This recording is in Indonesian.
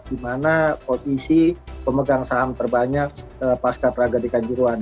dimana posisi pemegang saham terbanyak pasca teragadi kanjuruan